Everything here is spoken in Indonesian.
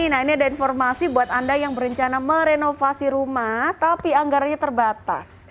nah ini ada informasi buat anda yang berencana merenovasi rumah tapi anggarannya terbatas